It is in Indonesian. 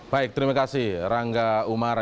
baik terima kasih rangga umara